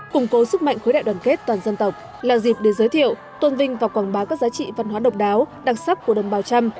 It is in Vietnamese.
củng cố sức mạnh khối đại đoàn kết toàn dân tộc là dịp để giới thiệu tôn vinh và quảng bá các giá trị văn hóa độc đáo đặc sắc của đồng bào trăm